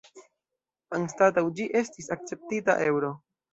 Anstataŭ ĝi estis akceptita eŭro.